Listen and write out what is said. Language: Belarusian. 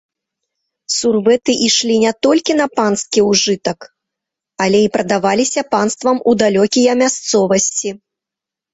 Сурвэты ішлі не толькі на панскі ўжытак, але і прадаваліся панствам у далёкія мясцовасці.